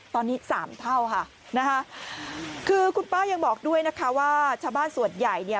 ตอนนี้สามเท่าค่ะนะคะคือคุณป้ายังบอกด้วยนะคะว่าชาวบ้านส่วนใหญ่เนี่ย